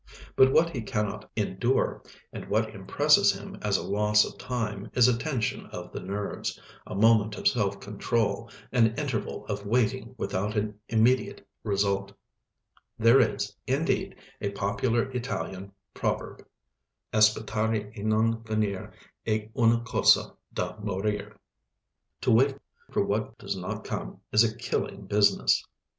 But what he cannot endure, and what impresses him as a loss of time is a tension of the nerves, a moment of self control, an interval of waiting without an immediate result There is, indeed, a popular Italian proverb: aspettare e non venire è una cosa da morire (to wait for what does not come is a killing business).